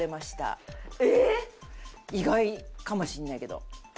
意外かもしれないけど。